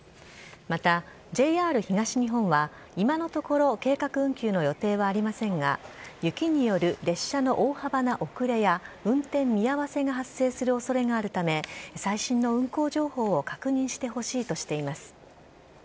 また、ＪＲ東日本は今のところ計画運休の予定はありませんが、雪による列車の大幅な遅れや、運転見合わせが発生するおそれがあるため、最新の運行情報を確認してほしいとしています。